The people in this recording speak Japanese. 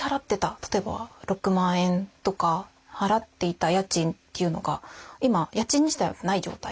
例えば６万円とか払っていた家賃というのが今家賃にしてはない状態。